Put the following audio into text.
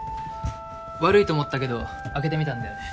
悪いと思ったけど開けてみたんだよね